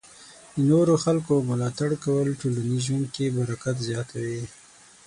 د نورو خلکو ملاتړ کول ټولنیز ژوند کې برکت زیاتوي.